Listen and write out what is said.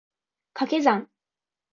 掛け算